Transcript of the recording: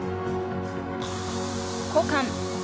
交換。